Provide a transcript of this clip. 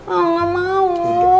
oh gak mau